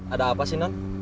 ada apa sih non